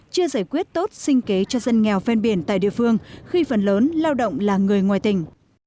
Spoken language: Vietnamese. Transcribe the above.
chưa giải quyết tốt sinh kế cho dân nghèo phen biển tại địa phương khi phần lớn lao động là người ngoài tỉnh